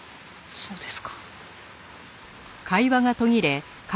そうです。